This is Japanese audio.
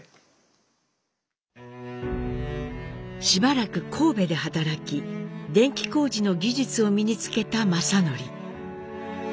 しばらく神戸で働き電気工事の技術を身につけた正徳。